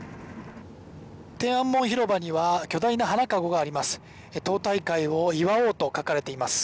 天安門広場には巨大な花かごがあります。